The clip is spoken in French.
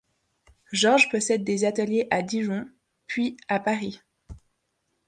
Georges possède des ateliers à Dijon, puis à Paris.